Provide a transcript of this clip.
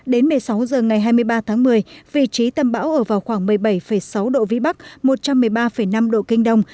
đến một mươi sáu h ngày hai mươi ba tháng một mươi vị trí tâm bão ở vào khoảng một mươi bảy sáu độ vĩ bắc một trăm một mươi ba năm độ kinh đông